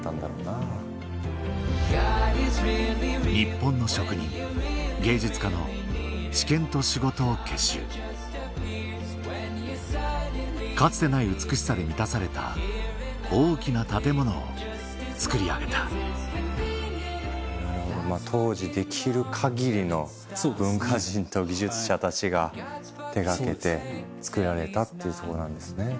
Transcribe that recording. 日本の職人芸術家の知見と仕事を結集かつてない美しさで満たされた大きな建物を造り上げたなるほど当時できる限りの文化人と技術者たちが手掛けて造られたっていう所なんですね。